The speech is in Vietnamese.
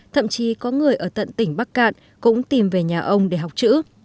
thậm chí có người ở tận tỉnh bắc cạn cũng tìm về nhà ông để học chữ